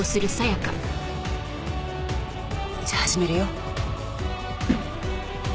じゃあ始めるよ。